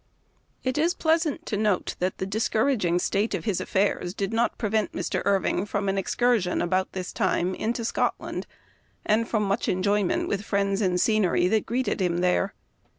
It is pleasant to notice that the discouraging state of his affairs did not prevent Mr. Irving from an excursion, about this time, into Scot land, and from much enjoyment with friends and scenery that greeted him there.